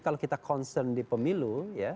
kalau kita concern di pemilu